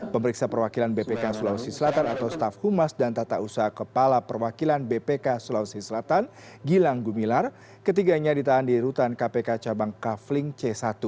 pemeriksa perwakilan bpk sulawesi selatan atau staff humas dan tata usaha kepala perwakilan bpk sulawesi selatan gilang gumilar ketiganya ditahan di rutan kpk cabang kafling c satu